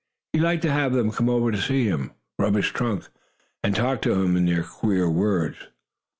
He liked to have them come to see him, rub his trunk, and talk to him in their queer words.